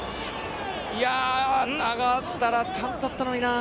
流したらチャンスだったのにな。